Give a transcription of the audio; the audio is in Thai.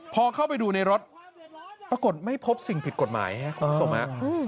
พอเข้าไปดูในรถปรากฏไม่พบสิ่งผิดกฎหมายครับคุณผู้ชมฮะ